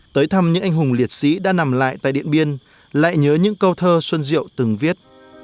tới thăm những anh hùng liệt sĩ đã nằm lại tại điện biên lại nhớ những câu thơ xuân diệu từng viết